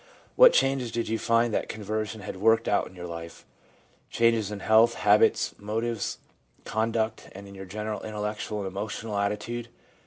What changes did you find that conversion had worked out in your life :— changes in health, habits, motives, conduct, and in your general intellectual and emotional attitude?